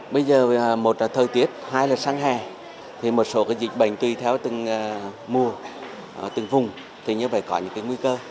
bây giờ một là thời tiết hai là sang hè thì một số dịch bệnh tùy theo từng mùa từng vùng thì như vậy có những nguy cơ